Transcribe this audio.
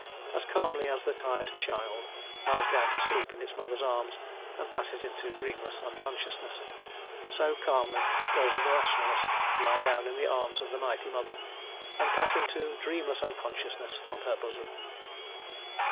As calmly as the tired child lies down to sleep in its mother's arms, and passes into dreamless unconsciousness, so calmly does the Rationalist lie down in the arms of the mighty mother, and pass into dreamless unconsciousness on her bosom.